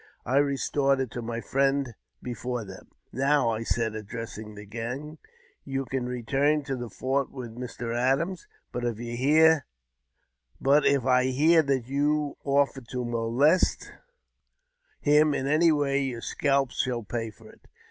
I restored it to my friend before them. " Now," I said, addressing the gang, '* you can return to the fort with Mr. Adams ; but if I hear that you offer to molest him in any way, your scalps shall pay for it."